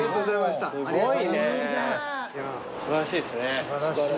素晴らしいですね。